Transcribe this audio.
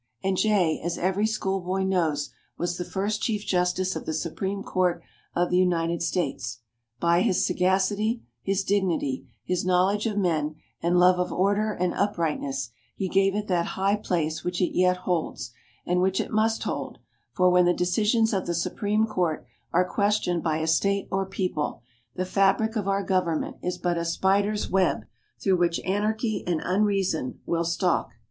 And Jay, as every schoolboy knows, was the first Chief Justice of the Supreme Court of the United States. By his sagacity, his dignity, his knowledge of men, and love of order and uprightness, he gave it that high place which it yet holds, and which it must hold; for when the decisions of the Supreme Court are questioned by a State or people, the fabric of our government is but a spider's web through which anarchy and unreason will stalk.